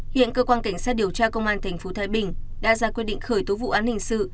hiện cơ quan cảnh sát điều tra công an tp thái bình đã ra quyết định khởi tố vụ án hình sự